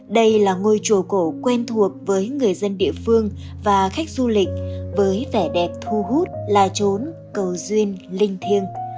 đây là ngôi chùa cổ quen thuộc với người dân địa phương và khách du lịch với vẻ đẹp thu hút la trốn cầu duyên linh thiêng